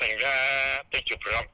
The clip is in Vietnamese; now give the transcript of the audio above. thành ra tôi chụp rộng